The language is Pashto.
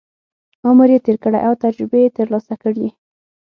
عمر یې تېر کړی او تجربې یې ترلاسه کړي.